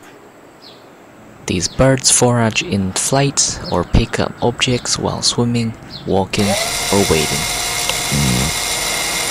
These birds forage in flight or pick up objects while swimming, walking or wading.